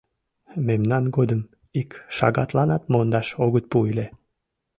Мемнан годым ик шагатланат мондаш огыт пу ыле.